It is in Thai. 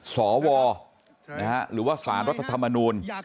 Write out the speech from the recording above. สวหรือว่าสารรัฐธรรมนูล